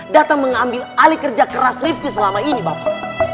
datang mengambil alih kerja keras rifki selama ini bapak